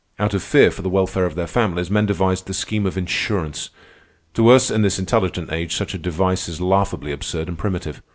Out of fear for the welfare of their families, men devised the scheme of insurance. To us, in this intelligent age, such a device is laughably absurd and primitive.